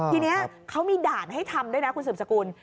ทีนี้เขามีด่านให้ทำด้วยนะคุณสืบสกุล